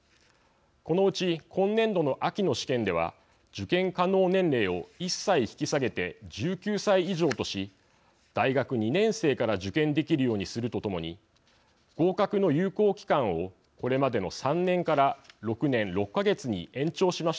このうち今年度の秋の試験では受験可能年齢を１歳引き下げて１９歳以上とし大学２年生から受験できるようにするとともに合格の有効期間をこれまでの３年から６年６か月に延長しました。